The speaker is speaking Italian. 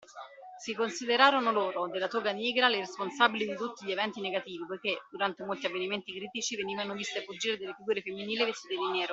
Si considerarono loro, della Toga Nigra, le responsabili di tutti gli eventi negativi poiché, durante molti avvenimenti critici, venivano viste fuggire delle figure femminili vestite di nero.